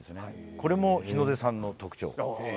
これも日の出産の特徴。